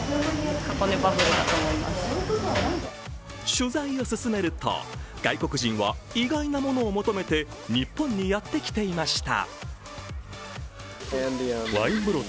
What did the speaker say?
取材を進めると、外国人は意外なものを求めて日本にやってきていました。